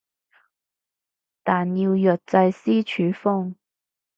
但要藥劑師處方